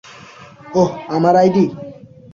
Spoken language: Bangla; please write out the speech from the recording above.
ওহ, আমার আইডি।